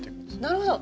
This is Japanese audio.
なるほど！